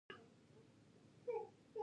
لنډۍ د پښتو ادب ستره پانګه ده.